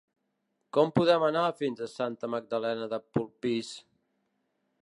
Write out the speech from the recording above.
Com podem anar fins a Santa Magdalena de Polpís?